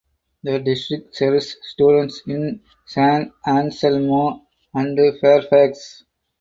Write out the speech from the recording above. The district serves students in San Anselmo and Fairfax.